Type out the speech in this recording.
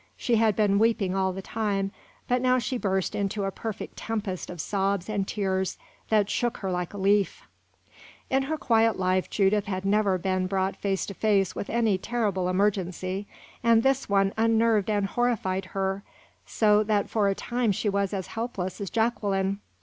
She had been weeping all the time, but now she burst into a perfect tempest of sobs and tears that shook her like a leaf. In her quiet life Judith had never been brought face to face with any terrible emergency, and this one unnerved and horrified her so that for a time she was as helpless as Jacqueline.